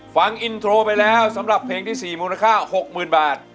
ฟังอินโทรไปแล้วสำหรับเพลงที่๔มูลค่า๖๐๐๐บาท